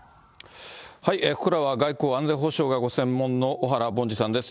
ここからは、外交・安全保障がご専門の小原凡司さんです。